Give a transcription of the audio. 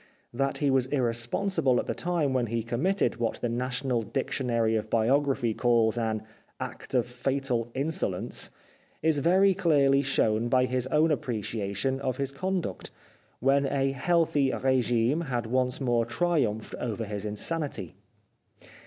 That he was irresponsible at the time when he com mitted what the National Dictionary of Bio graphy calls an " act of fatal insolence," is very clearly shown by his own appreciation of his 352 The Life of Oscar Wilde conduct, when a healthy regime had once more triumphed over his insanity.